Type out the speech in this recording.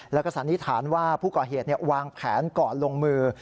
แล้วก็สันนิษฐานว่าผู้ก่อเหตุวางแผนก่อนลงมือ